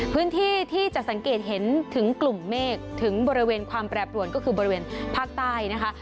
พื้นที่ที่จะสังเกตเห็นถึงกลุ่มเมฆถึงบริเวณความแปรปรวนก็คือบริเวณภาคใต้นะคะ